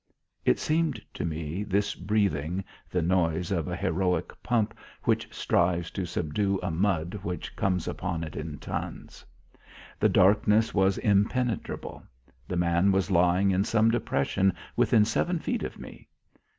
It seemed to me, this breathing, the noise of a heroic pump which strives to subdue a mud which comes upon it in tons. The darkness was impenetrable. The man was lying in some depression within seven feet of me.